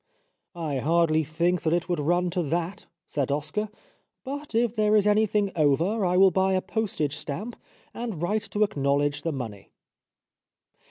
'' I hardly think that it would run to that," said Oscar, "but if there is any thing over I will buy a postage stamp and write to acknowledge the money."